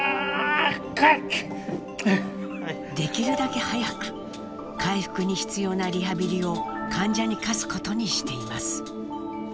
できるだけ早く回復に必要なリハビリを患者に課すことにしています。